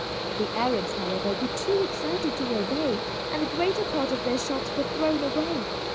The Arabs, however, were too excited to obey, and the greater part of their shots were thrown away.